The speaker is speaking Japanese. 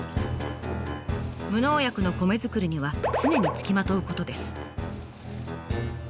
無農薬の米作りには常につきまとうことです。